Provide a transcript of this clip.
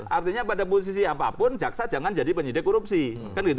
artinya pada posisi apapun jaksa jangan jadi penyidik korupsi